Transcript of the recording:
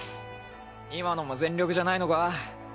今のも全力じゃないのか？